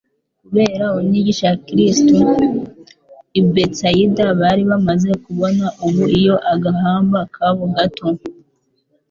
Kubera unigisha ya Kristo, i Betsayida bari bamaze kubona ubuiyo agahamba kabo gato